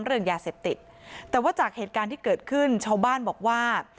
เรื่องยาเสพติดแต่ว่าจากเหตุการณ์ที่เกิดขึ้นชาวบ้านบอกว่า